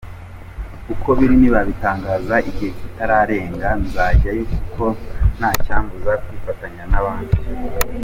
Uko biri nibabitangaza igihe kitararenga nzajyayo kuko ntacyambuza kwifatanya n’abandi.